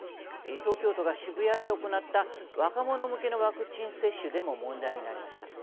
東京都が渋谷で行った若者向けのワクチン接種でも問題になりました。